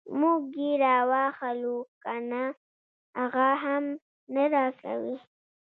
موږ یې راواخلو کنه هغه هم نه راکوي.